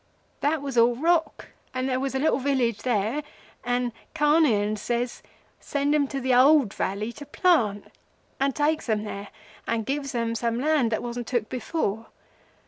That was all rock, and there was a little village there, and Carnehan says,—'Send 'em to the old valley to plant,' and takes 'em there and gives 'em some land that wasn't took before.